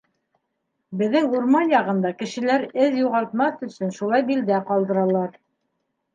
Беҙҙең урман яғында кешеләр эҙ юғалтмаҫ өсөн шулай билдә ҡалдыралар.